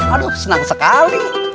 aduh senang sekali